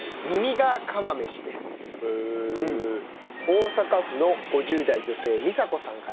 大阪府の５０代女性美佐子さんからです。